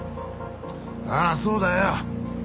ああそうだよ！